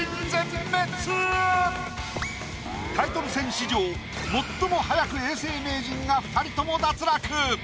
タイトル戦史上最も早く永世名人が２人とも脱落。